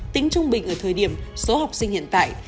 tính trung bình ở thời điểm số học sinh hiện tại